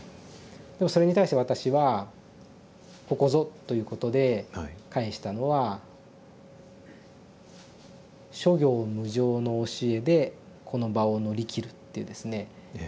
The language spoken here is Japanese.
でもそれに対して私は「ここぞ」ということで返したのは「諸行無常の教えでこの場を乗り切る」っていうですね。